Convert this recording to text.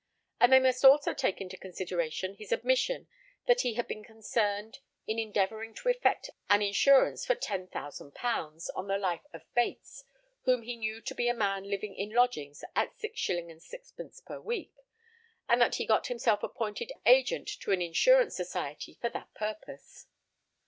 And they must also take into consideration his admission that he had been concerned in endeavouring to effect an insurance for £10,000 on the life of Bates, whom he knew to be a man living in lodgings at 6s. 6d. per week, and that he got himself appointed agent to an insurance society for that purpose.